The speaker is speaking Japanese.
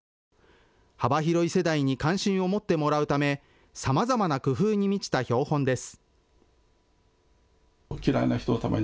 幅広い世代に関心を持ってもらうためさまざまな工夫に満ちた標本です。